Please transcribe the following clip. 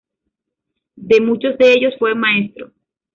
De muchos de ellos fue maestro.